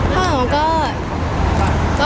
ทำไมเปล่าก็